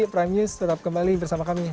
prime news tetap kembali bersama kami